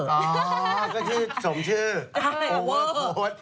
อ๋อก็ชื่อสมชื่อโอเวอร์โค้ด